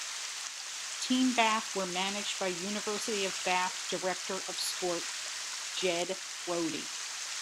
Team Bath were managed by University of Bath director of sport Ged Roddy.